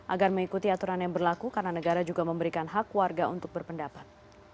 agar mengikuti aturan yang berlaku karena negara juga memberikan hak warga untuk berpendapat